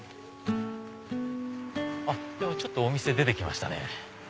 あっちょっとお店出て来ましたね。